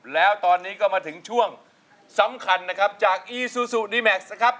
แล้วตอนนี้ก็มาถึงช่วงสำคัญนะครับจากอีซูซูดีแม็กซ์นะครับ